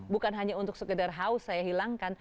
bukan hanya untuk sekedar haus saya hilangkan